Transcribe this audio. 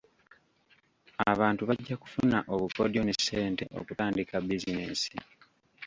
Abantu bajja kufuna obukodyo ne ssente okutandika bizinensi.